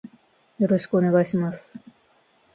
よろしくお願いします。